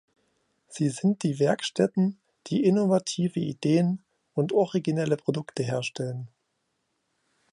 Sie sind die Werkstätten, die innovative Ideen und originelle Produkte herstellen.